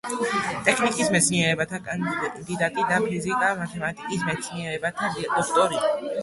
ტექნიკის მეცნიერებათა კანდიდატი და ფიზიკა-მათემატიკის მეცნიერებათა დოქტორი.